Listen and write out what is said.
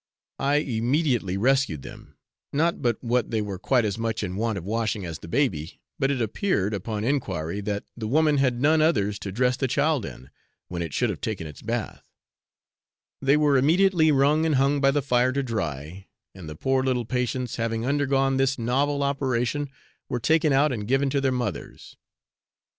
I immediately rescued them, not but what they were quite as much in want of washing as the baby, but it appeared, upon enquiry, that the woman had none others to dress the child in, when it should have taken its bath; they were immediately wrung and hung by the fire to dry, and the poor little patients having undergone this novel operation were taken out and given to their mothers.